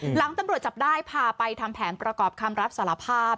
หลังตำรวจจับได้พาไปทำแผนประกอบคำรับสารภาพ